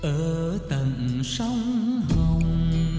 ở tận sông hồng